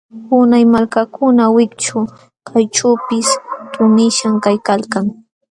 Unay malkakuna wikćhu kayćhuupis tuqnishqam kaykalkan.